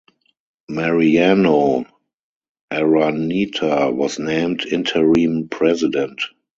Mariano Araneta was named Interim President.